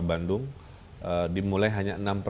bandung dimulai hanya